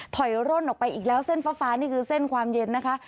ถอยร่นออกไปอีกแล้วเส้นฟ้านี่คือเส้นความเย็นนะคะ